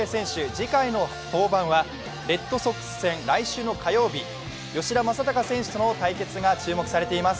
次回の登板はレッドソックス戦、来週の火曜日吉田正尚選手との対決が注目されています。